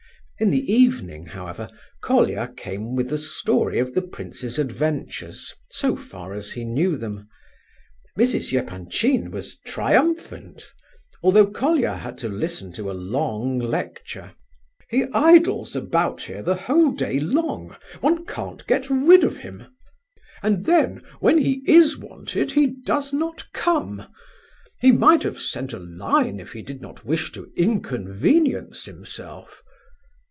In the evening, however, Colia came with the story of the prince's adventures, so far as he knew them. Mrs. Epanchin was triumphant; although Colia had to listen to a long lecture. "He idles about here the whole day long, one can't get rid of him; and then when he is wanted he does not come. He might have sent a line if he did not wish to inconvenience himself."